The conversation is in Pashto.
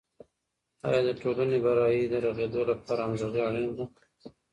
آیا د ټولني برایې د رغیدو لپاره همغږي اړینه ده؟